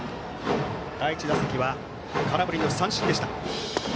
第１打席は空振り三振でした。